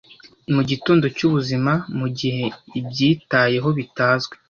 Mugitondo cyubuzima, mugihe ibyitayeho bitazwi,